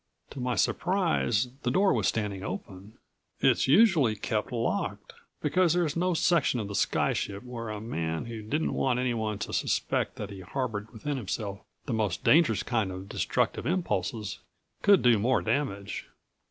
To my surprise the door was standing open. It's usually kept locked, because there's no section of the sky ship where a man who didn't want anyone to suspect that he harbored within himself the most dangerous kind of destructive impulses could do more damage.